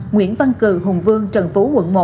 nguyễn văn cử hùng vương trần phú quận một